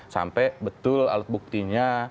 sampai betul alat buktinya